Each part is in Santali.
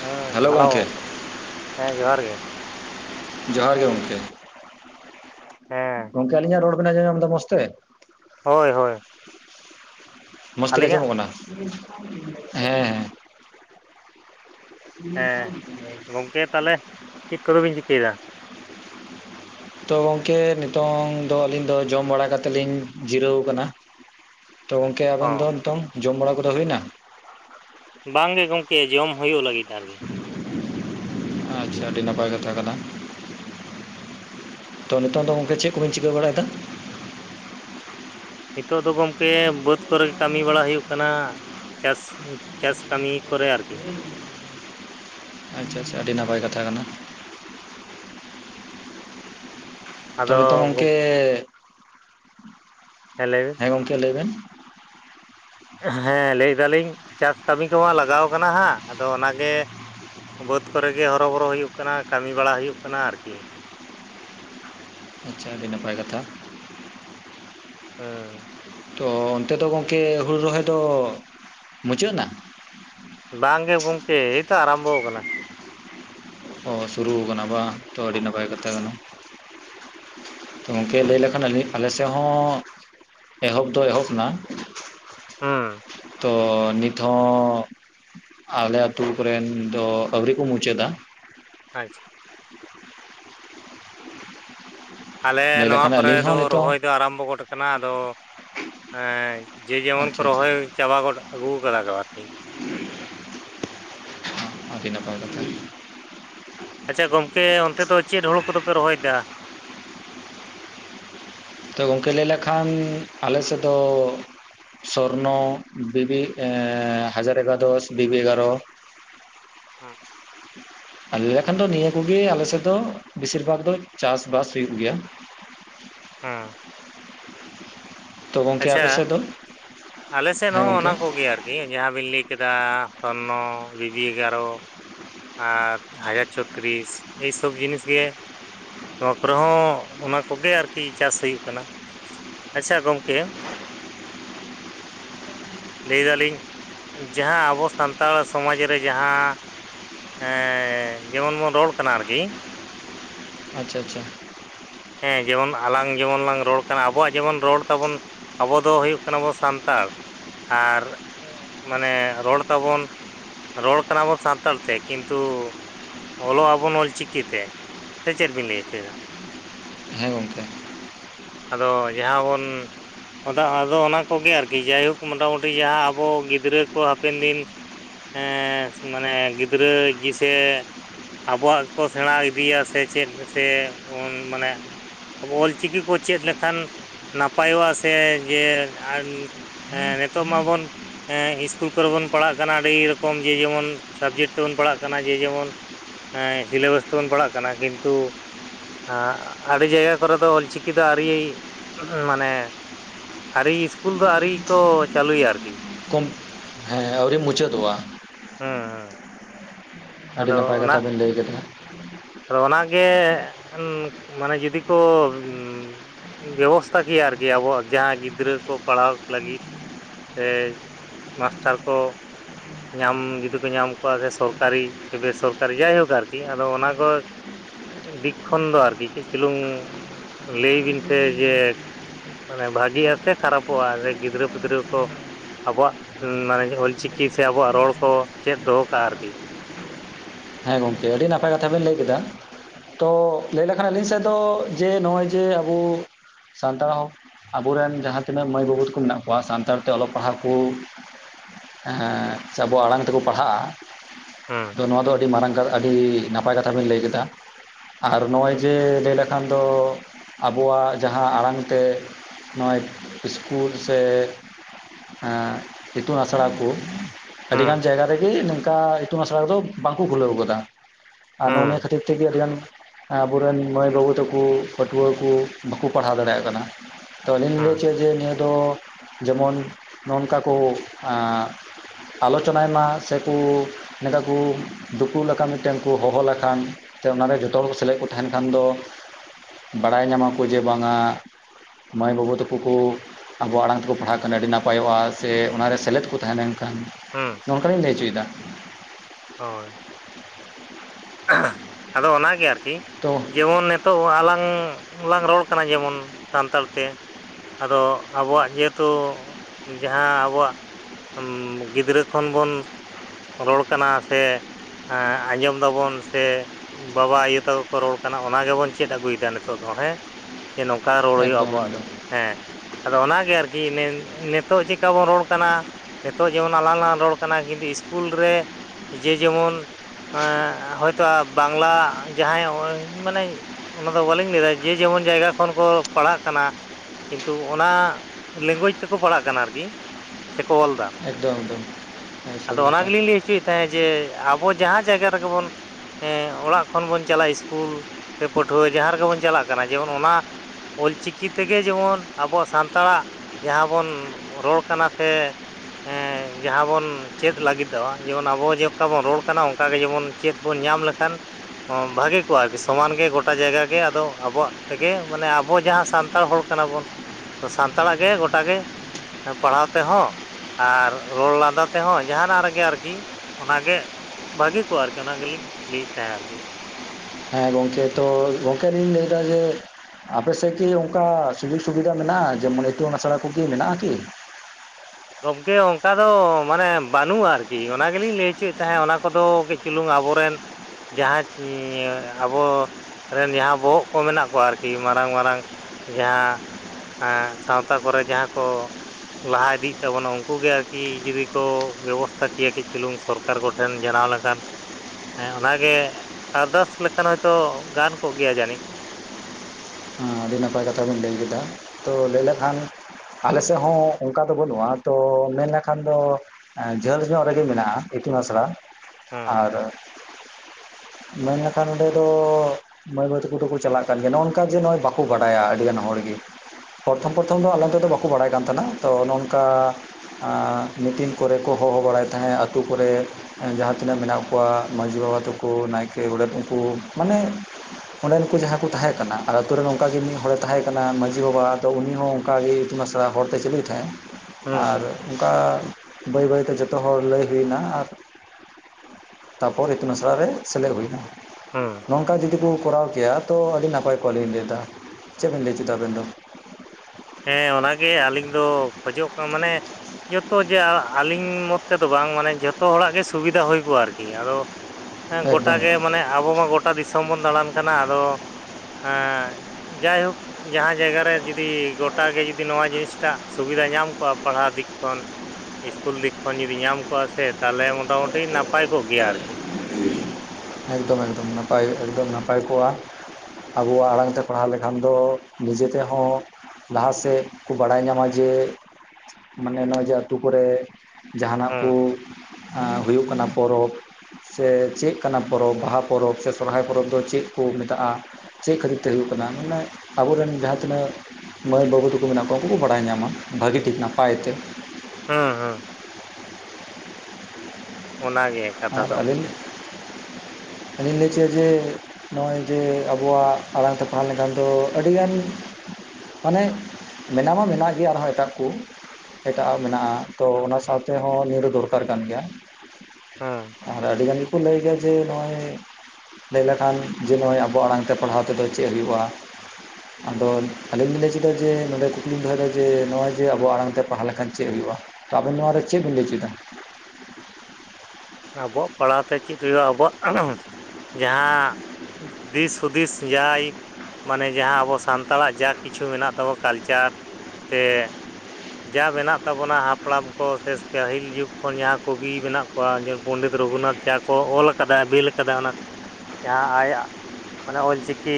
ᱦᱮᱸ ᱦᱮᱞᱳ ᱦᱮᱸ ᱡᱚᱸᱦᱟᱨ ᱜᱮ ᱡᱚᱸᱦᱟᱨ ᱜᱮ ᱜᱚᱝᱠᱮ ᱦᱮᱸ ᱜᱚᱝᱠᱮ ᱟᱹᱞᱤᱧᱟᱜ ᱨᱚᱲ ᱵᱤᱱ ᱟᱸᱡᱚᱢ ᱧᱟᱢ ᱫᱟ ᱢᱚᱡᱽ ᱛᱮ? ᱦᱳᱭ ᱦᱳᱭ ᱢᱚᱡᱽ ᱛᱮᱜᱮ ᱟᱹᱞᱤᱧᱟᱜ ᱟᱸᱡᱚᱢᱚᱜ ᱠᱟᱱᱟ ᱦᱮᱸ ᱦᱮᱸ᱾ ᱦᱮᱸ ᱜᱚᱝᱠᱮ ᱛᱟᱦᱚᱞᱮ ᱪᱮᱫ ᱠᱚᱫᱚᱵᱤᱱ ᱪᱤᱠᱟᱹᱭ ᱫᱟ? ᱛᱚ ᱜᱚᱝᱠᱮ ᱱᱤᱛᱚᱝ ᱫᱚ ᱟᱹᱞᱤᱧ ᱫᱚ ᱡᱚᱢ ᱵᱟᱲᱟ ᱠᱟᱛᱮᱫ ᱞᱤᱧ ᱡᱤᱨᱟᱹᱣ ᱠᱟᱱᱟ ᱾ ᱛᱚ ᱜᱚᱢᱠᱮ ᱚ ᱟᱵᱮᱱ ᱫᱚ ᱱᱤᱛᱚᱝ ᱡᱚᱢ ᱵᱟᱲᱟ ᱠᱚᱫᱚ ᱦᱩᱭᱱᱟ? ᱵᱟᱝ ᱜᱮ ᱜᱚᱝᱠᱮ ᱡᱚᱢ ᱦᱩᱭᱩᱜ ᱞᱟᱹᱜᱤᱫ ᱾ ᱟᱪᱪᱷᱟ ᱟᱹᱰᱤ ᱱᱟᱯᱟᱭ ᱠᱟᱛᱷᱟ ᱠᱟᱱᱟ ᱛᱚ ᱱᱤᱛᱚᱝ ᱫᱚ ᱜᱚᱝᱠᱮ ᱪᱮᱫ ᱠᱚᱵᱤᱱ ᱪᱤᱠᱟᱹ ᱵᱟᱲᱟᱭᱮᱫᱟ? ᱱᱤᱛᱚᱜ ᱫᱚ ᱜᱚᱢᱠᱮ ᱵᱟᱹᱫᱽ ᱠᱚᱨᱮ ᱠᱟᱹᱢᱤ ᱵᱟᱲᱟ ᱦᱩᱭᱩᱜ ᱠᱟᱱᱟ ᱾ ᱪᱟᱥ ᱪᱟᱥ ᱠᱟᱹᱢᱤ ᱠᱚᱨᱮ ᱟᱨᱠᱤ ᱟᱪᱪᱷᱟ ᱟᱪᱪᱷᱟ ᱟᱹᱰᱤ ᱱᱟᱯᱟᱭ ᱠᱟᱛᱷᱟ ᱠᱟᱱᱟ ᱾ ᱛᱚ ᱱᱤᱛᱚᱝ ᱟᱫᱚ ᱜᱚᱝᱠᱮ ᱞᱟᱹᱭ ᱵᱤᱱ ᱦᱮᱸ ᱜᱚᱝᱠᱮ ᱞᱟᱹᱭ ᱵᱮᱱ ᱦᱮᱸ ᱞᱟᱹᱭᱫᱟᱞᱤᱧ ᱪᱟᱥ ᱠᱟᱹᱢᱤ ᱠᱚᱢᱟ ᱞᱟᱜᱟᱣ ᱠᱟᱱᱟ ᱦᱟᱸᱜ ᱟᱫᱚ ᱚᱱᱟᱜᱮ ᱵᱟᱹᱫᱽ ᱠᱚᱨᱮᱜ ᱜᱮ ᱦᱚᱨᱚᱵᱚᱨᱚ ᱦᱩᱭᱩᱜ ᱠᱟᱱᱟ ᱠᱟᱹᱢᱤ ᱵᱟᱲᱟ ᱦᱩᱭᱩᱜ ᱠᱟᱱᱟ ᱟᱨᱠᱤ ᱾ ᱟᱪᱪᱷᱟ ᱟᱹᱰᱤ ᱱᱟᱯᱟᱭ ᱠᱟᱛᱷᱟ ᱾ ᱦᱮᱸ ᱛᱚ ᱚᱱᱛᱮ ᱫᱚ ᱜᱚᱝᱠᱮ ᱦᱩᱲᱩ ᱨᱚᱦᱚᱭ ᱫᱚ ᱢᱩᱪᱟᱹᱫ ᱱᱟ? ᱵᱟᱝ ᱜᱮ ᱜᱚᱢᱠᱮ ᱮᱭ ᱛᱚ ᱟᱨᱚᱢᱵᱷᱚ ᱠᱟᱱᱟ ᱾ ᱥᱩᱨᱩ ᱠᱟᱱᱟ ᱵᱟᱝ ᱛᱚ ᱟᱹᱰᱤ ᱱᱟᱯᱟᱭ ᱠᱟᱛᱷᱟ ᱠᱟᱱᱟ ᱾ ᱛᱚ ᱜᱚᱝᱠᱮ ᱞᱟᱹᱭ ᱞᱮᱠᱷᱟᱱ ᱟᱞᱮ ᱥᱮᱫ ᱦᱚᱸ ᱮᱦᱚᱵ ᱫᱚ ᱮᱦᱚᱵ ᱮᱱᱟ ᱦᱩᱸ ᱛᱚ ᱱᱤᱛ ᱦᱚᱸᱚᱸ ᱟᱞᱮ ᱟᱛᱳ ᱠᱚᱨᱮᱱ ᱫᱚ ᱟᱹᱣᱨᱤ ᱠᱚ ᱢᱩᱪᱟᱹᱫᱟ ᱾ ᱟᱪᱪᱷᱟ ᱟᱞᱮ ᱞᱟᱹᱭ ᱱᱚᱣᱟ ᱞᱮᱠᱷᱟᱱ ᱠᱚᱨᱮ ᱟᱹᱞᱤᱧ ᱦᱚᱸ ᱫᱚ ᱱᱤᱛᱚᱝ ᱨᱚᱦᱚᱭ ᱫᱚ ᱟᱨᱟᱢᱵᱷᱚ ᱜᱚᱫ ᱟᱠᱟᱱᱟ ᱟᱫᱚ ᱦᱮᱸ ᱡᱮ ᱡᱮᱢᱚᱱ ᱠᱚ ᱟᱪᱪᱷᱟ ᱟᱪᱪᱷᱟ ᱨᱚᱦᱚᱭ ᱪᱟᱵᱟᱜᱚᱫ ᱟᱹᱜᱩᱣᱟᱠᱟᱫᱟ ᱠᱚ ᱟᱨᱠᱤ ᱾ ᱟᱰᱤ ᱱᱟᱯᱟᱭ ᱠᱟᱛᱷᱟ ᱜᱮ [inaudible] ᱟᱪᱪᱷᱟ ᱜᱚᱝᱠᱮ ᱚᱱᱛᱮ ᱫᱚ ᱪᱮᱫ ᱦᱩᱲᱩ ᱠᱚᱫᱚ ᱯᱮ ᱨᱚᱦᱚ ᱭᱮᱫᱟ ᱛᱳ ᱜᱚᱢᱠᱮ ᱞᱟᱹᱭ ᱞᱮᱠᱷᱟᱱ ᱟᱞᱮ ᱥᱮᱫ ᱫᱚ ᱥᱚᱨᱱᱚ ᱵᱤᱵᱤ ᱦᱟᱡᱟᱨ ᱮᱠᱟᱫᱚᱥ ᱵᱤᱵᱤ ᱮᱜᱟᱨᱚ ᱦᱮᱸ ᱟᱞᱮᱠᱷᱟᱱ ᱫᱚ ᱱᱤᱭᱟᱹ ᱠᱚᱜᱮ ᱟᱞᱮᱥᱮᱫ ᱫᱚ ᱵᱮᱥᱤᱨ ᱵᱷᱟᱜ ᱫᱚ ᱪᱟᱥᱵᱟᱥ ᱦᱩᱭᱩᱜ ᱜᱮᱭᱟ ᱦᱮᱸ ᱛᱚ ᱜᱚᱝᱠᱮ ᱟᱪᱪᱷᱟ ᱟᱯᱮ ᱥᱮᱫ ᱫᱚ ᱟᱞᱮ ᱥᱮᱫ ᱦᱮᱸ ᱦᱚᱸ ᱜᱚᱝᱠᱮ ᱚᱱᱟ ᱠᱚᱜᱮ ᱟᱨᱠᱤ ᱤᱭᱟᱹ ᱡᱟᱦᱟᱸ ᱵᱤᱱ ᱞᱟᱹᱭ ᱠᱮᱫᱟ ᱥᱚᱨᱱᱚ ᱵᱤᱵᱤ ᱮᱜᱟᱨᱚ ᱟᱨ ᱦᱟᱡᱟᱨ ᱪᱷᱚᱛᱨᱤᱥ ᱮᱭ ᱥᱚᱵ ᱡᱤᱱᱤᱥ ᱜᱮ ᱱᱚᱣᱟ ᱠᱚᱨᱮ ᱦᱚᱸ ᱚᱱᱟ ᱠᱚᱜᱮ ᱟᱨᱠᱤ ᱪᱟᱥ ᱦᱩᱭᱩᱜ ᱠᱟᱱᱟ ᱟᱪᱪᱷᱟ ᱜᱚᱝᱠᱮ ᱞᱟᱹᱭ ᱫᱟᱞᱤᱧ ᱡᱟᱦᱟᱸ ᱟᱵᱚ ᱥᱟᱱᱛᱟᱲ ᱥᱚᱢᱟᱡᱽ ᱨᱮ ᱡᱟᱦᱟᱸ ᱡᱮᱢᱚᱱ ᱵᱚᱱ ᱨᱚᱲ ᱠᱟᱱᱟ ᱟᱨᱠᱤ ᱟᱪᱪᱷᱟ ᱟᱪᱪᱷᱟ ᱦᱮᱸ ᱡᱮᱢᱚᱱ ᱟᱞᱟᱝ ᱡᱮᱢᱚᱱ ᱞᱟᱝ ᱨᱚᱲ ᱠᱟᱱᱟ ᱟᱵᱚᱣᱟᱜ ᱡᱮᱢᱚᱱ ᱨᱚᱲ ᱛᱟᱵᱚᱱ ᱟᱵᱚ ᱫᱚ ᱦᱩᱭᱩᱜ ᱠᱟᱱᱟ ᱵᱚᱱ ᱥᱟᱱᱛᱟᱲ ᱟᱨ ᱢᱟᱱᱮ ᱨᱚᱲ ᱛᱟᱵᱚᱱ ᱨᱚᱲ ᱠᱟᱱᱟᱵᱚᱱ ᱥᱟᱱᱛᱟᱲ ᱛᱮ ᱠᱤᱱᱛᱩ ᱚᱞᱚᱜ ᱟᱵᱚᱱ ᱚᱞ ᱪᱤᱠᱤ ᱛᱮ ᱥᱮ ᱪᱮᱫ ᱵᱤᱱ ᱞᱟᱹᱭ ᱦᱚᱪᱚᱭᱮᱫᱟ ᱦᱮᱸ ᱜᱚᱢᱠᱮ ᱟᱫᱚ ᱡᱟᱦᱟᱸ ᱵᱚᱱ ᱟ ᱟᱫᱚ ᱚᱱᱟ ᱠᱚᱜᱮ ᱟᱨᱠᱤ ᱡᱟᱭᱦᱳᱠ ᱢᱚᱴᱟᱢᱩᱴᱤ ᱡᱟᱦᱟᱸ ᱟᱵᱚ ᱜᱤᱫᱽᱨᱟᱹ ᱠᱚ ᱦᱟᱯᱮᱱ ᱫᱤᱱ ᱦᱮᱸ ᱢᱟᱱᱮ ᱜᱤᱫᱽᱨᱟᱹ ᱜᱤᱥᱮ ᱟᱵᱚ ᱣᱟᱜ ᱜᱮ ᱠᱚ ᱥᱮᱬᱟ ᱤᱫᱤᱭᱟ ᱥᱮ ᱪᱮᱫ ᱥᱮ ᱢᱟᱱᱮ ᱚᱞᱪᱤᱠᱤ ᱠᱚ ᱪᱮᱫ ᱞᱮᱠᱷᱟᱱ ᱱᱟᱯᱟᱭᱚᱜᱼᱟ ᱥᱮ ᱡᱮ ᱦᱮᱸ ᱱᱤᱛᱚᱜ ᱢᱟᱵᱚᱱ ᱦᱮᱸ ᱤᱥᱠᱩᱞ ᱠᱚᱨᱮ ᱵᱚᱱ ᱯᱟᱲᱦᱟᱜ ᱠᱟᱱᱟ ᱟᱹᱰᱤ ᱨᱚᱠᱚᱢ ᱡᱮ ᱡᱮᱢᱚᱱ ᱥᱟᱵᱡᱮᱠᱴ ᱛᱮᱵᱚᱱ ᱯᱟᱲᱦᱟᱜ ᱠᱟᱱᱟ ᱡᱮ ᱡᱮᱢᱚᱱ ᱥᱤᱞᱮᱵᱟᱥ ᱛᱮᱵᱚᱱ ᱯᱟᱲᱟᱜ ᱠᱟᱱᱟ ᱠᱤᱱᱛᱩ ᱟᱹᱰᱤ ᱡᱟᱭᱜᱟ ᱠᱚᱨᱮ ᱫᱚ ᱚᱞ ᱪᱤᱠᱤ ᱠᱤᱫᱚ ᱟᱹᱣᱨᱤ ᱢᱟᱱᱮ [inaudible] ᱟᱹᱣᱨᱤ ᱤᱥᱠᱩᱞ ᱫᱚ ᱟᱹᱣᱨᱤ ᱠᱚ ᱪᱟᱹᱞᱩᱭᱟ ᱟᱨᱠᱤ᱾ ᱦᱮᱸ ᱟᱹᱣᱨᱤ ᱢᱩᱪᱟᱹᱫᱚᱜᱼᱟ᱾ ᱦᱮᱸ ᱦᱩᱸ [inaudible] ᱟᱹᱰᱤ ᱱᱟᱯᱟᱭ ᱠᱟᱛᱷᱟ ᱵᱤᱱ ᱞᱟᱹᱭ ᱠᱮᱫᱟ᱾ ᱟᱫᱚ ᱚᱱᱟᱜᱮ ᱢᱟᱱᱮ ᱡᱩᱫᱤ ᱠᱚ᱾ ᱵᱮᱵᱚᱥᱛᱷᱟ ᱠᱮᱭᱟ ᱟᱨᱠᱤ ᱟᱵᱚᱣᱟᱜ ᱡᱟᱦᱟᱸ ᱜᱤᱫᱽᱨᱟᱹ ᱠᱚ ᱯᱟᱲᱦᱟᱣ ᱞᱟᱹᱜᱤᱫ ᱥᱮ ᱢᱟᱥᱴᱟᱨ ᱠᱚ ᱧᱟᱢ ᱡᱩᱫᱤ ᱠᱚ ᱧᱟᱢ ᱠᱚᱜᱣᱟ ᱥᱮ ᱥᱚᱨᱠᱟᱨᱤ ᱥᱮ ᱵᱮᱥᱚᱨᱠᱟᱨᱤ ᱡᱟᱭᱦᱳᱠ ᱟᱨᱠᱤ ᱟᱫᱚ ᱚᱱᱟ [unintelligible] ᱫᱤᱠ ᱠᱷᱚᱱ ᱫᱚ ᱟᱨᱠᱤ ᱪᱮᱫ ᱪᱩᱞᱩᱝ ᱞᱟᱹᱭ ᱵᱤᱱ ᱥᱮ ᱡᱮ ᱢᱟᱱᱮ ᱵᱷᱟᱹᱜᱤᱜᱼᱟ ᱥᱮ ᱠᱷᱟᱨᱟᱯᱚᱜᱼᱟ ᱥᱮ ᱜᱤᱫᱽᱨᱟᱹ ᱯᱤᱫᱽᱨᱟᱹ ᱠᱚ ᱟᱵᱚᱣᱟᱜ ᱢᱟᱱᱮ ᱚᱞ ᱪᱤᱠᱤ ᱥᱮ ᱟᱵᱚᱣᱟᱜ ᱨᱚᱲ ᱠᱚ ᱪᱮᱫ ᱫᱚᱦᱚ ᱠᱟᱜᱼᱟ ᱟᱨᱠᱤ ᱦᱮᱸ ᱜᱚᱝᱠᱮ ᱟᱹᱰᱤ ᱱᱟᱯᱟᱭ ᱠᱟᱛᱷᱟ ᱵᱮᱱ ᱞᱟᱹᱭ ᱠᱮᱫᱟ᱾ ᱛᱚ ᱞᱟᱹᱭ ᱞᱮᱠᱷᱟᱱ ᱟᱞᱤᱧ ᱥᱮᱫ ᱫᱚ ᱡᱮ ᱱᱚᱜᱼᱚᱭ ᱡᱮᱢᱚᱱ ᱟᱵᱚ ᱥᱟᱱᱛᱟᱲ [unintelligible] ᱟᱵᱚ ᱨᱮᱱ ᱡᱟᱦᱟᱸ ᱛᱤᱱᱟᱹᱜ ᱢᱟᱹᱭ ᱵᱟᱹᱵᱩ ᱛᱟᱠᱚ ᱢᱮᱱᱟᱜ ᱠᱚᱣᱟ ᱥᱟᱱᱛᱟᱲ ᱛᱮ ᱚᱞᱚᱜ ᱯᱟᱲᱦᱟᱣ ᱠᱚ ᱥᱮ ᱟᱵᱚᱣᱟᱜ ᱟᱲᱟᱝ ᱛᱮᱠᱚ ᱯᱟᱲᱦᱟᱜᱼᱟ ᱦᱩᱸ [inaudible] ᱛᱚ ᱱᱚᱣᱟ ᱫᱚ ᱟᱹᱰᱤ ᱢᱟᱨᱟᱝ ᱟᱹᱰᱤ ᱱᱟᱯᱟᱭ ᱠᱟᱛᱷᱟ ᱵᱮᱤᱱ ᱞᱟᱹᱭ ᱠᱮᱫᱟ᱾ ᱟᱨ ᱱᱚᱜᱼᱚᱭ ᱦᱩᱸ ᱡᱮ ᱞᱮᱴ ᱟᱞᱟᱱ ᱫᱚ᱾ ᱟᱵᱚᱣᱟᱜ ᱡᱟᱦᱟᱸ ᱟᱲᱟᱝ ᱛᱮ ᱱᱚᱜᱼᱚᱭ ᱤᱥᱠᱩᱞ ᱥᱮ ᱤᱛᱩᱱ ᱟᱥᱲᱟ ᱠᱚ ᱟᱹᱰᱤ ᱦᱩᱸ ᱜᱟᱱ ᱡᱟᱭᱜᱟ ᱨᱮᱜᱮ ᱱᱚᱝᱠᱟ ᱤᱛᱩᱱ ᱟᱥᱲᱟ ᱠᱚᱫᱚ ᱵᱟᱝᱠᱚ ᱠᱷᱩᱞᱟᱹᱣ ᱟᱠᱟᱫᱟ᱾ ᱟᱨ ᱱᱚᱜᱼᱚ ᱱᱤᱭᱟᱹ ᱦᱩᱸ ᱠᱷᱟᱹᱛᱤᱨ ᱛᱮᱜᱮ ᱟᱹᱰᱤᱜᱟᱱ [unintelligible] ᱟᱵᱚᱨᱮᱱ ᱢᱟᱹᱭ ᱵᱟᱹᱵᱩ ᱛᱟᱠᱚ ᱯᱟᱹᱴᱷᱩᱣᱟᱹ ᱠᱚ ᱵᱟᱠᱚ ᱯᱟᱲᱦᱟᱣ ᱫᱟᱲᱮᱭᱟᱜ ᱠᱟᱱᱟ᱾ [unintelligible] ᱱᱤᱭᱟᱹ ᱫᱚ ᱡᱮᱢᱚᱱ ᱱᱚᱝᱠᱟ ᱠᱚ ᱟᱞᱳᱪᱚᱱᱟᱭ ᱢᱟ ᱥᱮᱠᱚᱩ ᱱᱚᱝᱠᱟ ᱠᱩ ᱫᱩᱠᱩᱜ ᱞᱮᱠᱟ ᱢᱤᱫᱴᱮᱱ ᱠᱚ ᱦᱚᱦᱚ ᱟᱠᱟᱱ ᱥᱮ ᱚᱱᱟᱨᱮ ᱡᱚᱛᱚ ᱦᱚᱲ ᱠᱚ ᱥᱮᱞᱮᱫ ᱠᱚ ᱛᱟᱸᱦᱮᱱ ᱠᱷᱟᱱ ᱫᱚ ᱵᱟᱲᱟᱭ ᱧᱟᱢᱟᱠᱚ ᱡᱮ ᱵᱟᱝᱟ ᱢᱟᱹᱭ ᱵᱟᱹᱵᱩ ᱛᱟᱠᱚ ᱠᱚ ᱟᱵᱚᱣᱟᱜ ᱟᱲᱟᱝ ᱛᱮᱠᱚ ᱯᱟᱲᱦᱟᱜ ᱠᱟᱱᱟ ᱟᱹᱰᱤ ᱱᱟᱯᱟᱭᱚᱜᱼᱟ ᱥᱮ ᱚᱱᱟᱨᱮ ᱥᱮᱞᱮᱫ ᱠᱚ ᱛᱟᱦᱮᱸ ᱞᱮᱱᱠᱷᱟᱱ ᱦᱩᱸ ᱱᱚᱝᱠᱟᱤᱧ ᱞᱟᱹᱭ ᱦᱚᱪᱚᱭᱮᱫᱟ ᱦᱳᱭ [unintelligible] ᱟᱫᱚ ᱚᱱᱟᱜᱮ ᱟᱨᱠᱤ ᱛᱚ ᱡᱮᱢᱚᱱ ᱱᱮᱛ ᱛᱚ ᱟᱞᱟᱝ ᱞᱟᱝ ᱨᱚᱲ ᱠᱟᱱᱟ ᱡᱮᱢᱚᱱ ᱥᱟᱱᱛᱟᱲ ᱛᱮ᱾ ᱟᱫᱚ ᱟᱵᱚᱣᱟᱜ ᱡᱮᱦᱮᱛᱩ ᱡᱟᱦᱟᱸ ᱟᱵᱚᱣᱟᱜ ᱜᱤᱫᱽᱨᱟᱹ ᱠᱷᱚᱱ ᱵᱚᱱ ᱨᱚᱲ ᱠᱟᱱᱟ ᱥᱮ ᱟᱸᱡᱚᱢ ᱫᱟᱵᱚᱱ ᱥᱮ ᱵᱟᱵᱟ ᱟᱭᱳ ᱛᱟᱠᱚ ᱠᱚ ᱨᱚᱲ ᱠᱟᱱᱟ ᱚᱱᱟ ᱜᱮᱵᱚᱱ ᱪᱮᱫ ᱟᱹᱜᱩᱭᱮᱫᱟ ᱱᱤᱛᱚᱜ ᱫᱚ ᱦᱮᱸ ᱡᱮ ᱱᱚᱝᱠᱟ ᱨᱚᱲ ᱦᱩᱭᱩᱜᱼᱟ ᱮᱠᱫᱚᱢ ᱟᱵᱚᱣᱟᱜ ᱫᱚ ᱮᱠᱫᱚᱢ ᱦᱮᱸ ᱟᱫᱚ ᱚᱱᱟᱜᱮ ᱟᱨᱠᱤ ᱱᱤᱛᱚᱜ ᱪᱮᱫᱠᱟ ᱵᱚᱱ ᱨᱚᱲ ᱠᱟᱱᱟ ᱱᱤᱛᱚᱜ ᱡᱮᱢᱚᱱ ᱟᱞᱟᱝ ᱞᱟᱝ ᱨᱚᱲ ᱠᱟᱱᱟ ᱠᱤᱱᱛᱩ ᱤᱥᱠᱩᱞ ᱨᱮ ᱡᱮ ᱡᱮᱢᱚᱱ ᱮᱸ ᱦᱚᱭᱛᱚ [unintelligible] ᱵᱟᱝᱞᱟ ᱡᱟᱦᱟᱸᱭ ᱢᱟᱱᱮ ᱚᱱᱟ ᱫᱚ ᱵᱟᱹᱞᱤᱧ ᱞᱟᱹᱭᱫᱟ ᱡᱮ ᱡᱮᱢᱚᱱ ᱡᱟᱭᱜᱟ ᱠᱷᱚᱱ ᱠᱚ ᱯᱟᱲᱦᱟᱜ ᱠᱟᱱᱟ ᱠᱤᱱᱛᱩ ᱚᱱᱟ ᱞᱮᱝᱜᱩᱭᱮᱡᱽ ᱛᱮᱠᱚ ᱯᱟᱲᱦᱟᱜ ᱠᱟᱱᱟ ᱟᱨᱠᱤ ᱥᱮᱠᱚ ᱚᱞ ᱮᱫᱟ᱾ ᱮᱠᱫᱚᱢ ᱮᱠᱫᱚᱢ ᱟᱫᱚ ᱥᱟᱹᱨᱤ ᱚᱱᱟ ᱠᱟᱛᱷᱟ ᱜᱮᱞᱤᱧ ᱞᱟᱹᱭ ᱦᱚᱪᱚᱭᱮᱫ ᱛᱟᱦᱮᱸᱫ ᱡᱮ ᱟᱵᱚ ᱡᱟᱦᱟᱸ ᱡᱟᱭᱜᱟ ᱨᱮᱜᱮ ᱵᱚᱱ ᱦᱮᱸ ᱚᱲᱟᱜ ᱠᱷᱚᱱ ᱵᱚᱱ ᱪᱟᱞᱟᱜᱼᱟ ᱤᱥᱠᱩᱞ ᱥᱮ ᱯᱟᱹᱴᱷᱩᱣᱟᱹ ᱡᱟᱦᱟᱸ ᱨᱮᱜᱮ ᱵᱚᱱ ᱪᱟᱞᱟᱜ ᱠᱟᱱᱟ ᱡᱮᱢᱚᱱ ᱚᱱᱟ ᱚᱞᱪᱤᱠᱤ ᱛᱮᱜᱮ ᱡᱮᱢᱚᱱ ᱟᱵᱚᱣᱟᱜ ᱥᱟᱱᱛᱟᱲᱟᱜ ᱡᱟᱦᱟᱸ ᱵᱚᱱ ᱨᱚᱲ ᱠᱟᱱᱟ ᱥᱮ ᱦᱮᱸ ᱡᱟᱦᱟᱸ ᱵᱚᱱ ᱪᱮᱫ ᱞᱟᱹᱜᱤᱫᱚᱜ ᱟ ᱡᱮᱢᱚᱱ ᱟᱵᱚ ᱪᱮᱫᱠᱟ ᱵᱚᱱ ᱨᱚᱲ ᱠᱟᱱᱟ ᱚᱱᱠᱟ ᱜᱮ ᱡᱮᱢᱚᱱ ᱪᱮᱫ ᱵᱚᱱ ᱧᱟᱢ [unintelligible] [unintelligible] ᱦᱮᱸ ᱵᱷᱟᱜᱤ ᱠᱚᱜᱼᱟ ᱟᱨᱠᱤ ᱥᱚᱢᱟᱱ ᱜᱮ ᱜᱚᱴᱟ ᱡᱟᱭᱜᱟ ᱜᱮ ᱟᱫᱚ ᱟᱵᱚᱣᱟᱜ ᱛᱮᱜᱮ ᱢᱟᱱᱮ ᱟᱵᱚ ᱡᱟᱦᱟᱸ ᱥᱟᱱᱛᱟᱲ ᱦᱚᱲ ᱠᱟᱱᱟ ᱵᱚᱱ ᱥᱟᱱᱛᱟᱲᱟᱜ ᱜᱮ ᱜᱚᱴᱟ ᱜᱮ ᱯᱟᱲᱦᱟᱣ ᱛᱮᱦᱚᱸ ᱟᱨ ᱨᱚᱲ ᱞᱟᱸᱫᱟ ᱛᱮᱦᱚᱸ ᱡᱟᱦᱱᱟᱜ ᱨᱮᱜᱮ ᱟᱨᱠᱤ ᱚᱱᱟᱜᱮ ᱵᱷᱟᱜᱤ ᱠᱚᱜᱼᱟ ᱟᱨᱠᱤ ᱚᱱᱟ ᱜᱮᱞᱤᱧ ᱞᱟᱹᱭ ᱛᱟᱦᱮᱸᱱᱟ ᱟᱨᱠᱤ᱾ ᱦᱮᱸ ᱜᱚᱝᱠᱮ ᱛᱚ ᱜᱚᱝᱠᱮ ᱞᱤᱧ ᱞᱟᱹᱭ ᱫᱟ ᱡᱮ ᱟᱯᱮ ᱥᱮᱫ ᱠᱤ ᱚᱱᱠᱟ ᱥᱩᱡᱳᱜᱽ ᱥᱩᱵᱤᱫᱷᱟ ᱢᱮᱱᱟᱜᱼᱟ ᱡᱮᱢᱚᱱ ᱤᱛᱩᱱ ᱟᱥᱲᱟ ᱠᱚᱜᱮ ᱢᱮᱱᱟᱜᱼᱟ ᱠᱤ? ᱜᱚᱢᱠᱮ ᱚᱱᱠᱟ ᱫᱚ ᱢᱟᱱᱮ ᱵᱟᱹᱱᱩᱜᱼᱟ ᱟᱨᱠᱤ ᱚᱱᱟ ᱜᱮᱞᱤᱧ ᱞᱟᱹᱭ ᱦᱚᱪᱚᱭᱮᱫ ᱛᱟᱦᱮᱸᱫ ᱚᱱᱟ ᱠᱚᱫᱚ ᱠᱟᱹᱡ ᱪᱩᱞᱩᱝ ᱟᱵᱚ ᱨᱮᱱ ᱡᱟᱦᱟᱡ ᱤᱭᱟᱹ ᱟᱵᱚ ᱨᱮᱱ ᱡᱟᱦᱟᱸ ᱵᱚᱦᱚᱜ ᱠᱚ ᱢᱮᱱᱟᱜ ᱠᱚᱣᱟ ᱟᱨᱠᱤ ᱢᱟᱨᱟᱝ ᱢᱟᱨᱟᱝ ᱡᱟᱦᱟᱸ ᱟᱸ ᱥᱟᱶᱛᱟ ᱠᱚᱨᱮ ᱡᱟᱦᱟᱸ ᱠᱚ ᱞᱟᱦᱟ ᱤᱫᱤ ᱛᱮ ᱵᱚᱱ ᱩᱱᱠᱩ ᱜᱮ ᱟᱨᱠᱤ ᱡᱩᱫᱤ ᱠᱚ ᱵᱮᱵᱚᱥᱛᱷᱟ ᱠᱮᱭᱟ ᱠᱤ ᱪᱩᱞᱩᱝ ᱥᱚᱨᱠᱟᱨ ᱠᱚᱴᱷᱮᱱ ᱡᱟᱱᱟᱣ ᱞᱮᱠᱷᱟᱱ ᱦᱮᱸ ᱚᱱᱟ ᱜᱮ ᱟᱨᱫᱟᱥ ᱞᱮᱠᱟᱱ ᱦᱚᱭᱛᱚ ᱜᱟᱱ ᱠᱚᱜ ᱜᱮᱭᱟ ᱡᱟᱹᱱᱤᱡ ᱦᱮᱸ ᱟᱹᱰᱤ ᱱᱟᱯᱟᱭ ᱠᱟᱛᱷᱟ ᱵᱤᱱ ᱞᱟᱹᱭ ᱠᱮᱫᱟ ᱛᱚ ᱞᱟᱹᱭ ᱞᱮᱠᱷᱟᱱ ᱟᱞᱮ ᱥᱮᱫ ᱦᱚᱸ ᱚᱱᱠᱟ ᱫᱚ ᱵᱟᱹᱱᱩᱜᱼᱟ ᱛᱚ ᱢᱮᱱᱞᱮᱠᱷᱟᱱ ᱫᱚ ᱮᱸ ᱡᱷᱟᱹᱞ ᱧᱚᱜ ᱨᱮᱜᱮ ᱢᱮᱱᱟᱜᱼᱟ ᱤᱛᱩᱱ ᱟᱥᱲᱟ ᱦᱮᱸ ᱟᱨ ᱢᱮᱱ ᱜᱟᱛᱷᱟ ᱱᱚᱸᱰᱮ ᱫᱚ ᱢᱟᱹᱭ ᱵᱟᱹ ᱛᱟᱠᱚ ᱫᱩᱠᱩ ᱪᱟᱞᱟᱜ ᱠᱟᱱ ᱜᱮᱭᱟ ᱱᱚᱜ ᱱᱚᱝᱠᱟ ᱡᱮ ᱱᱚᱜ ᱵᱟᱠ ᱠᱩ ᱵᱟᱰᱟᱭᱟ ᱟᱹᱰᱤ ᱜᱟᱱ ᱦᱚᱲ ᱜᱮ ᱯᱚᱛᱷᱚᱢ ᱯᱚᱛᱷᱚᱢ ᱫᱚ ᱟᱞᱮ ᱚᱱᱛᱮ ᱫᱚ ᱵᱟᱠᱚ ᱵᱟᱲᱟᱭ ᱠᱟᱱ ᱛᱟᱦᱮᱱᱟ ᱛᱚ ᱱᱚᱜ-ᱚ ᱱᱚᱝᱠᱟ ᱟ ᱢᱤᱴᱤᱱ ᱠᱚᱨᱮ ᱠᱚ ᱦᱚᱦᱚ ᱵᱟᱲᱟᱭᱮᱫ ᱛᱟᱦᱮᱸᱫ ᱟᱛᱳ ᱠᱚᱨᱮ ᱡᱟᱦᱟᱸ ᱛᱤᱱᱟᱹᱜ ᱢᱮᱱᱟᱜ ᱠᱚᱣᱟ ᱢᱟᱹᱡᱷᱤ ᱵᱟᱵᱟ ᱛᱟᱠᱚ ᱱᱟᱭᱠᱮ ᱜᱚᱰᱮᱛ ᱩᱱᱠᱩ ᱢᱟᱱᱮ ᱚᱸᱰᱮᱱ ᱠᱩ ᱡᱟᱦᱟᱸ ᱠᱚ ᱛᱟᱦᱮᱸ ᱠᱟᱱᱟ ᱟᱨ ᱟᱛᱳ ᱨᱮᱱ ᱚᱱᱠᱟ ᱜᱤ ᱢᱤᱫ ᱦᱚᱲᱮ ᱛᱟᱦᱮᱸ ᱠᱟᱱᱟ ᱢᱟᱺᱡᱷᱤ ᱵᱟᱵᱟ ᱛᱚ ᱩᱱᱤ ᱦᱚᱸ ᱚᱱᱠᱟ ᱜᱤ ᱤᱛᱩᱱ ᱟᱥᱲᱟ ᱦᱚᱲ ᱛᱮᱭ ᱪᱟᱹᱞᱩᱭ ᱛᱟᱦᱮᱸᱫ᱾ ᱦᱮᱸ ᱟᱨ ᱚᱱᱠᱟ ᱵᱟᱹᱭ ᱵᱟᱹᱭ ᱛᱮ ᱡᱚᱛᱚ ᱦᱚᱲ ᱞᱟᱹᱭ ᱦᱩᱭᱱᱟ ᱟᱨ ᱛᱟᱨᱯᱚᱨ ᱤᱛᱩᱱ ᱟᱥᱲᱟ ᱨᱮ ᱥᱮᱞᱮᱫ ᱦᱩᱭ ᱮᱱᱟ᱾ ᱦᱩᱸ ᱱᱚᱝᱠᱟ ᱡᱩᱫᱤ ᱠᱚ ᱠᱚᱨᱟᱣ ᱠᱮᱭᱟ ᱛᱚ ᱟᱹᱰᱤ ᱱᱟᱯᱟᱭ ᱠᱚᱟ ᱞᱤᱧ ᱞᱟᱹᱭ ᱮᱫᱟ ᱾ ᱪᱮᱫ ᱵᱮᱱ ᱞᱟᱹᱭ ᱚᱪᱚᱭ ᱫᱟ ᱟᱵᱮᱱ ᱫᱚ? ᱦᱮᱸ ᱚᱱᱟ ᱜᱮ ᱟᱹᱞᱤᱧ ᱫᱚ ᱠᱷᱚᱡᱚᱜ ᱠᱟᱱᱟ ᱢᱟᱱᱮ ᱡᱚᱛᱚ ᱡᱮ ᱟᱹᱞᱤᱧ ᱢᱚᱛ ᱛᱮᱫᱚ ᱵᱟᱝ ᱢᱟᱱᱮ ᱡᱷᱚᱛᱚ ᱦᱚᱲᱟᱜ ᱜᱮ ᱥᱩᱵᱤᱫᱷᱟ ᱦᱩᱭ ᱠᱚᱜᱼᱟ ᱟᱨᱠᱤ ᱟᱫᱚ ᱾ ᱦᱮᱸ ᱜᱚᱴᱟ ᱮᱠᱫᱚᱢ ᱜᱮ ᱢᱟᱱᱮ ᱟᱵᱚ ᱦᱚᱸ ᱜᱚᱴᱟ ᱫᱤᱥᱚᱢ ᱵᱚᱱ ᱫᱟᱬᱟᱱ ᱠᱟᱱᱟ ᱟᱫᱚ ᱦᱟᱸ ᱡᱟᱭᱦᱳᱠ ᱡᱟᱦᱟᱸ ᱡᱟᱭᱜᱟ ᱨᱮ ᱡᱩᱫᱤ ᱜᱚᱴ ᱜᱚᱴᱟᱜ ᱜᱮ ᱡᱩᱫᱤ ᱱᱚᱣᱟ ᱡᱤᱱᱤᱥᱴᱟ ᱥᱩᱵᱤᱫᱷᱟ ᱧᱟᱢ ᱠᱚᱜ-ᱟ ᱯᱟᱲᱦᱟᱣ ᱫᱤᱠ ᱠᱷᱚᱱ ᱤᱥᱠᱩᱞ ᱫᱤᱠ ᱠᱷᱚᱱ ᱡᱩᱫᱤ ᱧᱟᱢ ᱠᱚᱜ-ᱟ ᱥᱮ ᱛᱟᱦᱚᱞᱮ ᱢᱚᱴᱟᱢᱩᱴᱤ ᱱᱟᱯᱟᱭ ᱠᱚᱜ ᱠᱮᱭᱟ ᱟᱨᱠᱤ ᱾ ᱮᱠᱫᱚᱢ ᱮᱠᱫᱚᱢ ᱱᱟᱯᱟᱭ ᱮᱠᱫᱚᱢ ᱱᱟᱯᱟᱭ ᱠᱚᱜ-ᱟ᱾ ᱟᱵᱚᱣᱟᱜ ᱟᱲᱟᱝ ᱛᱮ ᱯᱟᱲᱦᱟᱣ ᱞᱮᱠᱷᱟᱱ ᱫᱚ ᱱᱤᱡᱮ ᱛᱮᱦᱚᱸ ᱞᱟᱦᱟ ᱥᱮᱫ ᱠᱚ ᱵᱟᱲᱟᱭ ᱧᱟᱢᱟ ᱡᱮ ᱢᱟᱱᱮ ᱱᱚᱜ-ᱚᱭ ᱡᱮ ᱟᱹᱛᱩ ᱠᱚᱨᱮ ᱡᱟᱦᱟᱱᱟᱜ ᱠᱩ ᱦᱮᱸ ᱟᱸ ᱦᱩᱭᱩᱜ ᱠᱟᱱᱟ ᱯᱚᱨᱚᱵᱽ ᱥᱮ ᱪᱮᱫ ᱡᱟᱱᱟ ᱯᱚᱨᱚᱵᱽ ᱵᱟᱦᱟ ᱯᱚᱨᱚᱵᱽ ᱥᱮ ᱥᱚᱨᱦᱟᱭ ᱯᱚᱨᱚᱵᱽ ᱫᱚ ᱪᱮᱫ ᱠᱚ ᱢᱮᱛᱟᱜᱼᱟ? ᱪᱮᱫ ᱠᱷᱟᱹᱛᱤᱨ ᱛᱮ ᱦᱩᱭᱩᱜ ᱠᱟᱱᱟ ᱢᱟᱱᱮ ᱟᱵᱚ ᱨᱮᱱ ᱡᱟᱦᱟᱸ ᱛᱤᱱᱟᱹᱜ ᱢᱟᱹᱭ ᱵᱟᱹᱵᱩ ᱛᱟᱠᱚ ᱢᱮᱱᱟᱜ ᱠᱚᱣᱟ ᱩᱱᱠᱩ ᱠᱚ ᱵᱟᱲᱟᱭ ᱧᱟᱢᱟ ᱵᱷᱟᱹᱜᱤ ᱴᱷᱤᱠ ᱱᱟᱯᱟᱭ ᱛᱮ᱾ ᱦᱮᱸ ᱦᱮᱸ ᱚᱱᱟ ᱜᱮ [unintelligible] [inaudible] [unintelligible] ᱱᱚᱜᱼᱚᱭ ᱡᱮ ᱟᱵᱚᱣᱟᱜ ᱟᱲᱟᱝ ᱛᱮ ᱯᱟᱲᱦᱟᱣ ᱞᱮᱱᱠᱷᱟᱱ ᱫᱚ ᱟᱹᱰᱤ ᱜᱟᱱ ᱢᱟᱱᱮ ᱢᱮᱱᱟ ᱢᱟ ᱢᱮᱱᱟᱜ ᱜᱮ ᱟᱨᱦᱚᱸ ᱮᱴᱟᱜ ᱠᱩ ᱮᱴᱟᱜ ᱟᱜ ᱢᱮᱱᱟᱜ-ᱟ ᱛᱚ ᱚᱱᱟ ᱥᱟᱶ ᱛᱮᱦᱚᱸ ᱱᱤᱭᱟᱹ ᱫᱚ ᱫᱚᱨᱠᱟᱨ ᱠᱟᱱ ᱜᱮᱭᱟ᱾ ᱦᱮᱸ ᱟᱨ ᱟᱹᱰᱤ ᱜᱟᱱ ᱜᱮᱠᱚ ᱞᱟᱹᱭ ᱜᱮᱭᱟ ᱡᱮ ᱱᱚᱜ-ᱚᱭ ᱞᱟᱹᱭ ᱞᱮᱠᱷᱟᱱ ᱡᱮ ᱱᱚᱜ-ᱚᱭ ᱟᱵᱚᱣᱟᱜ ᱟᱲᱟᱝ ᱛᱮ ᱯᱟᱲᱦᱟᱣ ᱛᱮᱫᱚ ᱪᱮᱫ ᱦᱩᱭᱩᱜᱼᱟ᱾ ᱟᱫᱚ ᱟᱹᱞᱤᱧ ᱫᱚ ᱞᱤᱧ ᱞᱟᱹᱭ ᱩᱪᱩᱭ ᱫᱟ ᱡᱮ ᱱᱚᱰᱮ ᱠᱩᱠᱞᱤ ᱞᱤᱧ ᱫᱚᱦᱚᱭ ᱫᱟ ᱡᱮ ᱱᱚᱜ-ᱚᱭ ᱡᱮ ᱟᱵᱚ ᱟᱲᱟᱝ ᱛᱮ ᱯᱟᱲᱦᱟᱣ ᱞᱮᱠᱷᱟᱱ ᱪᱮᱫ ᱦᱩᱭᱩᱜᱼᱟ? ᱛᱚ ᱟᱵᱮᱱ ᱱᱚᱣᱟ ᱨᱮ ᱪᱮᱫ ᱵᱮᱱ ᱞᱟᱹᱭ ᱚᱪᱚᱭ ᱫᱟ? ᱟᱵᱚᱣᱟᱜ ᱯᱟᱲᱦᱟᱣ ᱛᱮ ᱪᱤᱫ ᱦᱩᱭᱩᱜᱼᱟ ᱟᱵᱚᱣᱟᱜ ᱡᱟᱦᱟᱸ ᱫᱤᱥ ᱦᱩᱫᱤᱥ ᱡᱟᱭ ᱢᱟᱱᱮ ᱡᱟᱦᱟᱸ ᱟᱵᱚ ᱥᱟᱱᱛᱟᱲᱟᱜ ᱡᱟ ᱠᱤᱪᱷᱩ ᱢᱮᱱᱟᱜ ᱛᱟᱵᱚ ᱠᱟᱞᱪᱟᱨ ᱥᱮ ᱡᱟ ᱢᱮᱱᱟᱜ ᱛᱟᱵᱚᱱᱟ ᱦᱟᱯᱲᱟᱢ ᱠᱚ ᱥᱮ ᱯᱟᱹᱦᱤᱞ ᱡᱩᱜᱽ ᱠᱷᱚᱱ ᱡᱟᱦᱟᱸ ᱠᱚᱵᱤ ᱢᱮᱱᱟᱜ ᱠᱚᱣᱟ᱾ ᱯᱚᱱᱰᱤᱛ ᱨᱚᱜᱷᱩᱱᱟᱛᱷ ᱡᱟ ᱠᱚ ᱚᱞ ᱠᱟᱫᱟᱭ ᱵᱤᱞ ᱟᱠᱟᱫᱟᱭ ᱚᱱᱟ ᱡᱟᱦᱟᱸ ᱟᱭᱟᱜ ᱢᱟᱱᱮ ᱚᱞᱪᱤᱠᱤ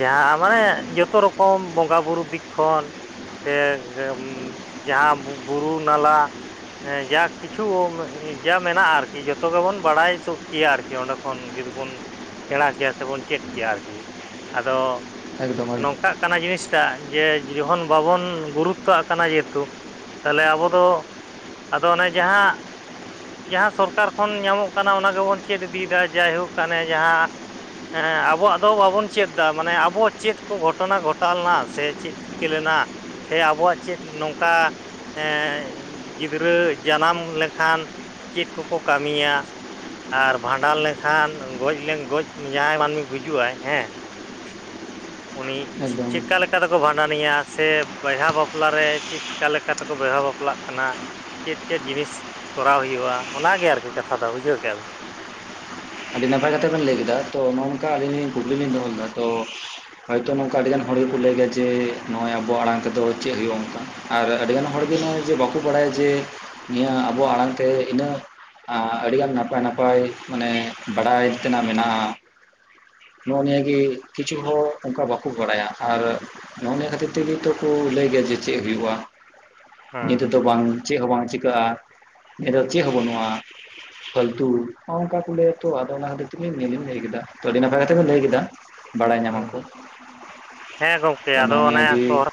ᱡᱟᱦᱟᱸ ᱢᱟᱱᱮ ᱡᱚᱛᱚ ᱨᱚᱠᱚᱢ ᱵᱚᱸᱜᱟ ᱵᱩᱨᱩ ᱫᱤᱠ ᱠᱷᱚᱱ ᱥᱮ [unintelligible] ᱡᱟᱦᱟᱸ ᱵᱩᱨᱩ ᱱᱟᱞᱟ ᱡᱟ ᱠᱤᱪᱷᱩ ᱡᱟ ᱢᱮᱱᱟᱜᱼᱟ ᱟᱨᱠᱤ᱾ ᱡᱚᱛᱚ ᱜᱮᱵᱚᱱ ᱵᱟᱲᱟᱭ [unintelligible] ᱠᱮᱭᱟ ᱟᱨᱠᱤ ᱚᱸᱰᱮ ᱠᱷᱚᱱ ᱡᱩᱫᱤ ᱵᱚᱱ ᱥᱮᱬᱟ ᱠᱮᱭᱟ ᱥᱮᱵᱚᱱ ᱪᱮᱫ ᱠᱮᱭᱟ ᱟᱨᱠᱤ, ᱟᱫᱚ ᱮᱠᱫᱚᱢ ᱱᱚᱝᱠᱟ ᱠᱟᱱᱟ ᱡᱤᱱᱤᱥᱴᱟ ᱡᱮ ᱡᱚᱠᱷᱚᱱ ᱵᱟᱵᱚᱱ ᱜᱩᱨᱩᱛᱛᱚ ᱠᱟᱱᱟ, ᱡᱮ ᱦᱮᱛᱩ ᱛᱟᱦᱚᱞᱮ ᱟᱵᱚ ᱫᱚ ᱟᱫᱚ ᱚᱱᱮ ᱡᱟᱦᱟᱸ ᱡᱟᱦᱟᱸ ᱥᱚᱨ ᱠᱟᱨ ᱠᱷᱚᱱ ᱧᱟᱢᱚᱜ ᱠᱟᱱᱟ ᱚᱱᱟ ᱜᱮᱵᱚᱱ ᱪᱮᱫ ᱤᱫᱤᱭᱮᱫᱟ ᱡᱟᱭᱦᱚᱠ ᱠᱟᱱᱮ ᱡᱟᱦᱟᱸ ᱦᱮᱸ ᱟᱵᱚᱣᱟᱜ ᱫᱚ ᱵᱟᱵᱚᱱ ᱪᱮᱫ ᱮᱟ ᱢᱟᱱᱮ ᱟᱵᱚᱣᱟᱜ ᱪᱮᱫ ᱠᱚ ᱜᱷᱚᱴᱚᱱᱟ ᱜᱷᱚᱴᱟᱣ ᱞᱮᱱᱟ ᱥᱮ ᱪᱮᱫ? ᱪᱤᱠᱟᱹ ᱞᱮᱱᱟ ᱥᱮ ᱟᱵᱚᱣᱟᱜ ᱪᱮᱫ ᱱᱚᱝᱠᱟ ᱮ ᱜᱤᱫᱽᱨᱟᱹ ᱡᱟᱱᱟᱢ ᱞᱮᱠᱷᱟᱱ ᱪᱮᱫ ᱠᱚᱠᱚ ᱠᱟᱹᱢᱤᱭᱟ? ᱟᱨ ᱵᱷᱟᱸᱰᱟᱱ ᱞᱮᱠᱷᱟᱱ ᱜᱚᱡ ᱞᱮᱱ ᱜᱚᱡ ᱡᱟᱦᱟᱸᱭ ᱢᱟᱹᱱᱢᱤ ᱜᱩᱡᱩᱜ ᱟᱭ ᱦᱮᱸ ᱩᱱᱤ ᱮᱠᱫᱚᱢ ᱪᱮᱫᱠᱟ ᱞᱮᱠᱟᱛᱮᱠᱚ ᱵᱷᱟᱸᱰᱟᱱᱤᱭᱟ ᱥᱮ ᱵᱤᱦᱟ ᱵᱟᱯᱞᱟ ᱨᱮ ᱪᱮᱫ ᱪᱠᱟ ᱞᱮᱠᱟ ᱛᱮᱠᱚ ᱵᱮᱦᱟ ᱵᱟᱯᱞᱟᱜ ᱠᱟᱱᱟ, ᱪᱮᱫ- ᱪᱮᱫ ᱡᱤᱱᱤᱥ ᱠᱚᱨᱟᱣ ᱦᱩᱭᱩᱜᱼᱟ? ᱚᱱᱟᱜᱮ ᱟᱨᱠᱤ ᱠᱟᱛᱷᱟ ᱫᱚ ᱵᱩᱡᱷᱟᱹᱣ ᱠᱮᱫᱼᱟ ᱵᱤᱱ᱾ ᱟᱹᱰᱤ ᱱᱟᱯᱟᱭ ᱠᱟᱛᱮ ᱵᱮᱱ ᱞᱟᱹᱭ ᱠᱮᱫᱟ ᱛᱚ ᱱᱚᱜ ᱱᱚᱝᱠᱟ ᱟᱹᱞᱤᱧ ᱠᱩᱠᱞᱤ ᱞᱧ ᱫᱚᱦᱚ ᱞᱮᱫᱟ ᱛᱚ! ᱦᱚᱭᱛᱚ ᱱᱚᱝᱠᱟ ᱟᱹᱰᱤᱜᱟᱱ ᱦᱚᱲ ᱜᱮᱠᱚ ᱞᱟᱹᱭ ᱜᱮᱭᱟ ᱡᱮ ᱱᱚᱜᱼᱚᱭ ᱟᱵᱚᱣᱟᱜ ᱟᱲᱟᱝ ᱛᱮᱫᱚ ᱪᱮᱫ ᱦᱩᱭᱩᱜᱼᱟ ᱚᱱᱠᱟ! ᱟᱨ ᱟᱹᱰᱤᱜᱟᱱ ᱦᱚᱲᱜᱮ ᱱᱚᱜᱼᱚᱭ ᱡᱮ ᱵᱟᱠᱚ ᱵᱟᱲᱟᱭᱟ ᱡᱮ ᱱᱤᱭᱟᱹ ᱟᱵᱚᱣᱟᱜ ᱟᱲᱟᱝᱛᱮ ᱤᱱᱟᱹᱜ ᱟᱨ ᱟᱹᱰᱤᱜᱟᱱ ᱱᱟᱯᱟᱭ ᱱᱟᱯᱟᱭ ᱢᱟᱱᱮ ᱵᱟᱰᱟᱭ ᱛᱮᱱᱟᱜ ᱢᱮᱱᱟᱜᱼᱟ᱾ ᱱᱚᱜᱼᱚ ᱱᱤᱭᱟᱹ ᱜᱮ ᱠᱤᱪᱷᱩ ᱦᱚᱲ ᱚᱱᱠᱟ ᱵᱟᱠᱚ ᱵᱟᱰᱟᱭᱟ ᱟᱨᱼᱼ ᱱᱚᱜᱼᱚ ᱱᱤᱭᱟᱹ ᱠᱷᱟᱹᱛᱤᱨ ᱛᱮᱜᱮ ᱛᱚ ᱠᱚ ᱞᱟᱹᱭ ᱜᱮᱭᱟ ᱡᱮ ᱪᱮᱫ ᱦᱩᱭᱩᱜᱼᱟ ᱱᱤᱛᱚᱜ ᱫᱚ ᱵᱟᱝ ᱪᱮᱫ ᱦᱚᱸ ᱵᱟᱝ ᱪᱤᱠᱟᱹᱜᱼᱟ ᱟᱨ ᱪᱮᱫ ᱦᱚᱸ ᱵᱟᱹᱱᱩᱜᱼᱟ ᱯᱷᱟᱹᱞᱛᱩ ᱚᱱᱠᱟ ᱠᱚ ᱞᱟᱹᱭ ᱛᱚ ᱟᱫᱚ ᱚᱱᱟ ᱠᱷᱟᱹᱛᱤᱨ ᱛᱮᱜ ᱱᱮᱞᱤᱧ ᱞᱟᱹᱭ ᱠᱮᱫᱟ ᱛᱚ ᱟᱹᱰᱤ ᱱᱟᱯᱟᱭ ᱠᱟᱛᱷᱟ ᱞᱟᱹᱭ ᱠᱮᱫᱟ᱾ ᱵᱟᱲᱟᱭ ᱦᱮᱸ ᱧᱟᱢᱟᱠᱚ ᱦᱮᱸ ᱜᱚᱝᱠᱮ ᱛᱚ ᱟᱫᱚ ᱱᱚᱜ-ᱚ ᱱᱤᱭᱟᱹ ᱚᱱᱮ ᱜᱮ ᱥᱚᱦᱨᱟᱭ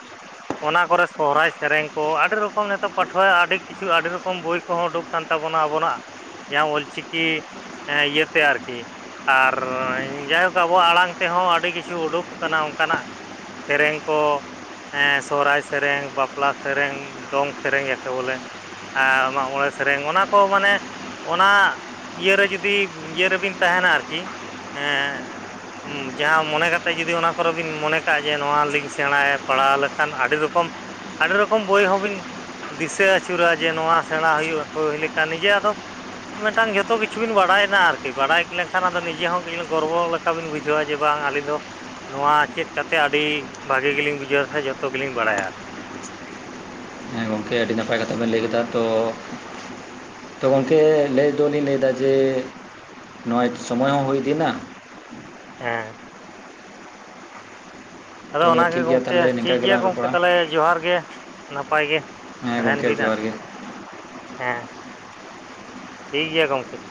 ᱚᱱᱟ ᱠᱚᱨᱮ ᱥᱚᱦᱨᱟᱭ ᱥᱮᱨᱮᱧ ᱠᱚ ᱟᱹᱰᱤ ᱨᱚᱠᱚᱢ ᱱᱤᱛᱚᱜ ᱯᱟᱹᱴᱷᱩᱣᱟᱹ ᱟᱹᱰᱤ ᱠᱤᱪᱷᱩ ᱟᱹᱰᱤ ᱨᱚᱠᱚᱢ ᱵᱚᱦᱤᱭ ᱠᱚᱦᱚᱸ ᱩᱰᱩᱠ ᱠᱟᱱ ᱛᱟᱵᱚᱱᱟ ᱟᱵᱚᱱᱟᱜ ᱡᱟᱦᱟᱸ ᱚᱞ ᱪᱤᱠᱤ ᱦᱮᱸ ᱤᱭᱟᱹᱛᱮ ᱟᱨᱠᱤ ᱟᱨ ᱡᱟᱦᱟᱸᱭ ᱠᱚ ᱟᱵᱚᱣᱟᱜ ᱟᱲᱟᱝ ᱛᱮᱦᱚᱸ ᱟᱹᱰᱤᱼᱼ ᱟᱹᱰᱤ ᱠᱤᱪᱷᱩ ᱩᱰᱩᱠ ᱟᱠᱟᱱᱟ ᱚᱱᱠᱟᱱᱟᱜ ᱥᱮᱨᱮᱧ ᱠᱚ᱾ ᱦᱮᱸ ᱥᱚᱦᱚᱨᱟᱭ ᱥᱮᱨᱮᱧ, ᱵᱟᱯᱞᱟ ᱥᱮᱨᱮᱧ, ᱫᱚᱝ ᱥᱮᱨᱮᱧ ᱮᱤᱥᱮ ᱵᱚᱞᱮ ᱟᱨ ᱢᱟᱜ ᱢᱚᱬᱮ ᱥᱮᱨᱮᱧ ᱚᱱᱟ ᱠᱚ ᱢᱟᱱᱮ ᱚᱱᱟ ᱤᱭᱟᱹᱨᱮ ᱡᱩᱫᱤ ᱤᱭᱟᱹᱨ ᱨᱮᱵᱤᱱ ᱛᱟᱦᱮᱱᱟ ᱟᱨᱠᱤ᱾ ᱦᱮᱸ ᱦᱮᱸ ᱦᱩᱸ ᱡᱟᱦᱟᱸ ᱢᱚᱱᱮ ᱠᱟᱛᱮ ᱡᱩᱫᱤ ᱚᱱᱟ ᱠᱚᱨᱮ ᱵᱤᱱ ᱢᱚᱱᱮ ᱠᱟᱜᱼᱟ ᱡᱮ ᱱᱚᱣᱟ ᱞᱤᱧ ᱥᱮᱬᱟᱭ ᱯᱟᱲᱦᱟᱣ ᱞᱮᱠᱷᱟᱱ ᱟᱹᱰᱤ ᱨᱚᱠᱚᱢ ᱟᱹᱰᱤ ᱨᱚᱠᱚᱢ ᱵᱩᱦᱤᱭ ᱦᱚᱸᱵᱤᱱ ᱫᱤᱥᱟᱹ ᱟᱹᱪᱩᱨᱟ ᱡᱮ ᱱᱚᱣᱟ ᱥᱮᱬᱟ ᱦᱩᱭᱩᱜ ᱦᱩᱭ ᱞᱮᱠᱟ ᱱᱤᱡᱮ ᱟᱫᱚ ᱢᱮᱫᱴᱟᱝ ᱡᱚᱛᱚ ᱠᱤᱪᱷᱩ ᱵᱤᱱ ᱵᱟᱲᱟᱭᱮᱱᱟ ᱟᱨᱠᱤ ᱵᱟᱲᱟᱭ ᱞᱮᱱᱠᱷᱟᱱ ᱟᱫᱚ ᱱᱤᱡᱮ ᱦᱚᱸ ᱜᱚᱨᱵᱚ ᱞᱮᱠᱟ ᱵᱤᱱ ᱵᱩᱡᱷᱟᱹᱣᱟ᱾ ᱡᱮ ᱵᱟᱝ ᱟᱹᱞᱤᱧ ᱫᱚ, ᱱᱚᱣᱟ ᱪᱮᱫ ᱠᱟᱛᱮ ᱟᱹᱰᱤ ᱵᱷᱟᱜᱤ ᱜᱮᱞᱤᱧ ᱵᱩᱡᱷᱟᱹᱣ ᱥᱮ ᱡᱚᱛᱚ ᱜᱮᱞᱤᱧ ᱵᱟᱰᱟᱭᱟ᱾ ᱦᱮᱸ ᱜᱚᱝᱠᱮ ᱟᱹᱰᱤ ᱱᱟᱯᱟᱭ ᱠᱟᱛᱷᱟ ᱵᱮᱱ ᱞᱟᱹᱭ ᱞᱮᱫᱟ ᱛᱚ᱾ ᱛᱚ ᱜᱚᱢᱠᱮ ᱞᱟᱹᱭ ᱫᱚᱞᱤᱧ ᱞᱟᱹᱭᱫᱟ ᱡᱮ, ᱱᱚᱜ-ᱟᱭ ᱥᱚᱢᱚᱭ ᱦᱚᱸ ᱦᱩᱭᱤᱫᱤ ᱭᱮᱱᱟ᱾ ᱦᱮᱸ ᱟᱫᱚ ᱛᱚ ᱚᱱᱟᱜᱮ ᱴᱷᱤᱠ ᱜᱮᱭᱟ ᱜᱚᱢᱠᱮ ᱛᱟᱦᱚᱞᱮ ᱴᱷᱤᱠ ᱱᱤᱝᱠᱟ ᱜᱮᱭᱟ ᱜᱮᱞᱟᱝ ᱜᱚᱢᱠᱮ ᱨᱚᱯᱚᱲᱟ ᱛᱟᱦᱚᱞᱮ ᱡᱚᱦᱟᱨ ᱜᱮ ᱱᱟᱯᱟᱭ ᱜᱮ ᱦᱮᱸ ᱛᱟᱦᱮᱱ ᱜᱚᱝᱠᱮ ᱵᱤᱱ ᱟᱨ ᱡᱚᱦᱟᱨ ᱾ ᱜᱮ ᱦᱮᱸ, ᱴᱷᱤᱠ ᱜᱮᱭᱟ ᱜᱚᱝᱠᱮ ᱾